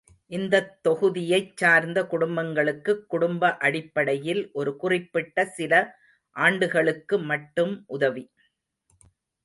இந்தத் தொகுதியைச் சார்ந்த குடும்பங்களுக்குக் குடும்ப அடிப்படையில் ஒரு குறிப்பிட்ட சில ஆண்டுகளுக்கு மட்டும் உதவி.